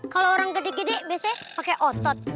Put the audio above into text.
kalau orang gede gede biasanya pakai otot